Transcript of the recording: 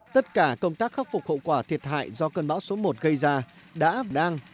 tất cả công tác khắc phục hậu quả thiệt hại do cơn bão số một gây ra đã và đang